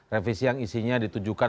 revisi yang isinya ditujukan